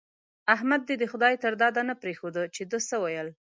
احمد دې د خدای تر داده نه پرېښود چې ده څه ويل.